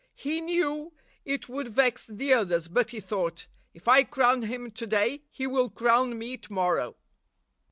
He knew it would vex the others; but he thought, 'If I crown him to day, he will crown me to mor row.